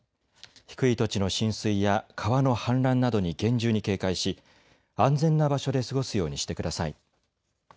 低い土地の浸水や川の氾濫などに厳重に警戒し安全な場所で過ごすようにしてください。